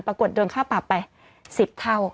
ปรากฏโดนค่าปรับไป๑๐เท่า